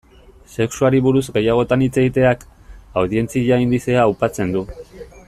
Sexuari buruz gehiagotan hitz egiteak, audientzia indizea aupatzen du.